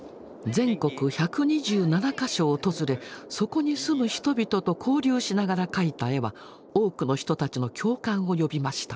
全国１２７か所を訪れそこに住む人々と交流しながら描いた絵は多くの人たちの共感を呼びました。